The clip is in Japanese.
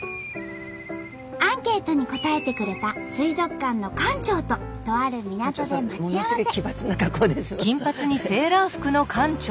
アンケートに答えてくれた水族館の館長ととある港で待ち合わせ。